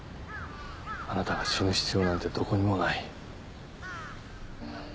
あなたが死ぬ必要なんてどこにもない。